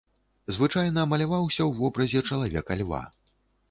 Звычайна маляваўся ў вобразе чалавека-льва.